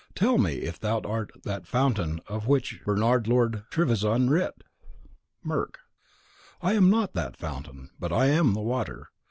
Tell me if thou art that fountain of which Bernard Lord Trevizan writ? Merc: I am not that fountain, but I am the water.